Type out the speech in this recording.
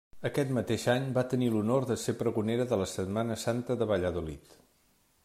Aquest mateix any va tenir l'honor de ser pregonera de la Setmana Santa de Valladolid.